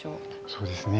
そうですね。